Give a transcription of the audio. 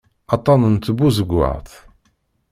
Aṭṭan n tbuzeggaɣt.